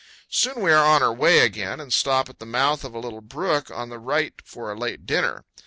Soon we are on our way again, and stop at the mouth of a little brook on the right for a late dinner.